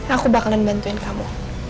aku bakalan bantuin kamu